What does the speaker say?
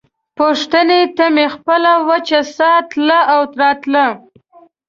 پوښتنې ته مې خپله وچه ساه تله او راتله.